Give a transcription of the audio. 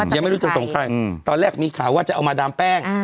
ยังไม่รู้จะส่งใครตอนแรกมีข่าวว่าจะเอามาดามแป้ง